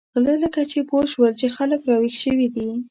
غله لکه چې پوه شول چې خلک را وېښ شوي دي.